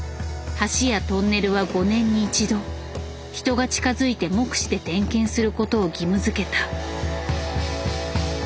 橋やトンネルは５年に１度人が近づいて目視で点検することを義務づけた。